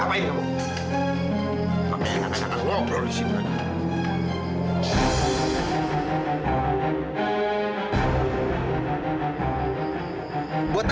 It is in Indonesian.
apa yang kamu ngobrol disitu